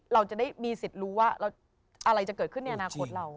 เราจะได้มีสิทธิ์รู้ว่าอะไรจะเกิดขึ้นในอนาคตเรา